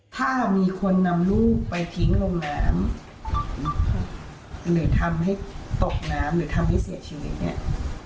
ถ้ามีคนนำลูกไปทิ้งลงน้ำหรือทำให้ตกน้ำหรือทำให้เสียชีวิตเนี่ย